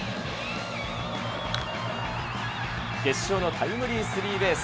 決勝のタイムリースリーベース。